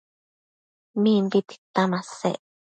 Mimbi tita masec